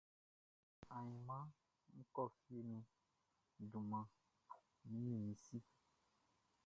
Ayinʼman nʼma kɔ fie nu juman ni mi si.